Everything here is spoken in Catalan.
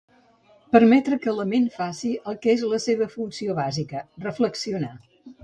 Permetre que la ment faci el que és la seva funció bàsica, reflexionar.